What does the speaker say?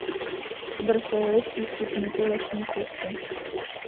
Vrchol je přístupný po lesní cestě.